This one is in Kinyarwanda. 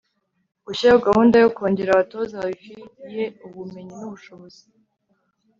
gushyiraho gahunda yo kongera abatoza babifiye ubumenyi n'ubushobozi